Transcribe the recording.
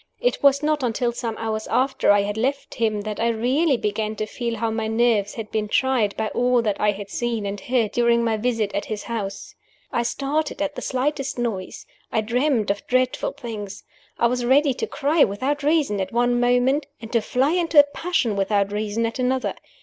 It was not until some hours after I had left him that I really began to feel how my nerves had been tried by all that I had seen and heard during my visit at his house. I started at the slightest noises; I dreamed of dreadful things; I was ready to cry without reason at one moment, and to fly into a passion without reason at another.